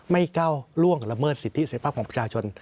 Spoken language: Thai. ไม่เก้าร่วมละเมิดสิทธิเสรีภาพของประชาชน